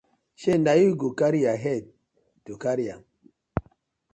Shey na yu go karry yu head carry am.